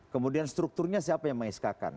kemudian strukturnya siapa yang mengeskakan